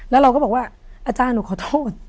แล้วเราก็บอกว่าอาจารย์หนูขอโทษ